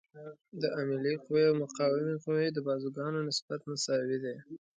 د عاملې قوې او مقاومې قوې د بازوګانو نسبت مساوي دی.